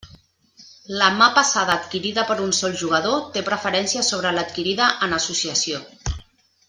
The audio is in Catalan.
La mà passada adquirida per un sol jugador té preferència sobre l'adquirida en associació.